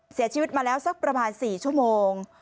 เสียชีวิตมาแล้วสักประมาณ๔ชั่วโมง